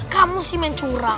kamu sih main curang